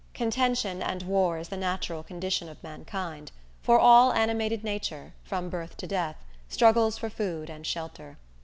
Contention and war is the natural condition of mankind; for all animated nature, from birth to death, struggles for food and shelter.